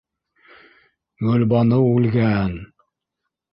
Гөлбаныу үлгән!!!